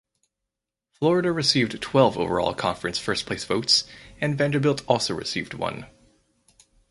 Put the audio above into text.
Florida received twelve overall conference first place votes and Vanderbilt also received one.